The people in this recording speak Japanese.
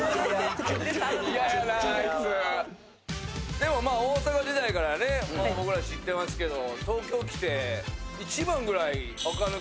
でも大阪時代から僕ら知ってますけど。